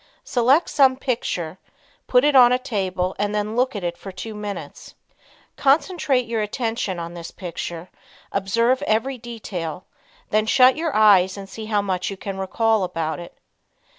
Select some picture; put it on a table and then look at it for two minutes. Concentrate your attention on this picture, observe every detail; then shut your eyes and see how much you can recall about it.